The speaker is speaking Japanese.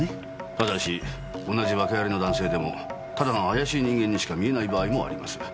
ただし同じワケありの男性でもただの怪しい人間にしか見えない場合もあります。